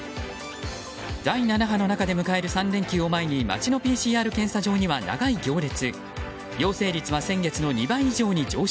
第７波の中で迎える３連休を前に街のＰＣＲ検査場には長い行列。